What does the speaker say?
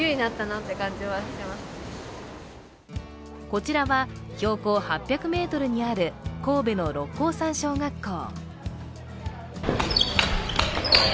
こちらは標高８００ｍにある神戸の六甲山小学校。